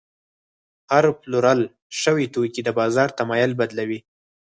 هره پلورل شوې توکي د بازار تمایل بدلوي.